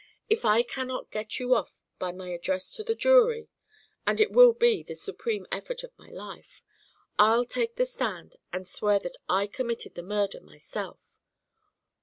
If I cannot get you off by my address to the jury, and it will be the supreme effort of my life, I'll take the stand and swear that I committed the murder myself."